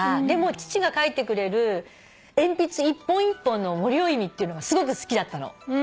でも父が書いてくれる鉛筆一本一本の森尾由美っていうのがすごく好きだったの。